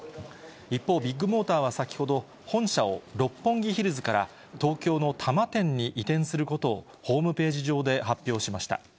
一方、ビッグモーターは先ほど、本社を六本木ヒルズから東京の多摩店に移転することをホームページ上で発表しました。